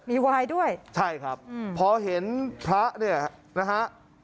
มีวายด้วยใช่ครับพอเห็นพระเนี่ยนะฮะ